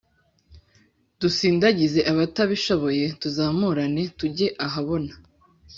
Dusindagize abatabishoboye Tuzamurane tujye ahabona.